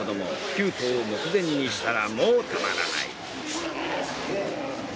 ９頭を目前にしたらもう止まらない。